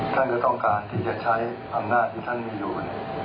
ท่านก็ต้องการที่จะใช้อำนาจที่ท่านมีอยู่